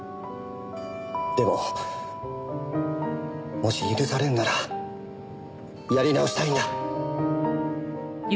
でももし許されるならやり直したいんだ。